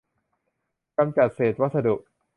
กำจัดเศษวัสดุ